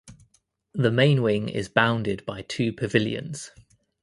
The main wing is bounded by two pavilions.